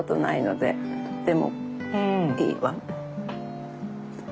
でもいいわ。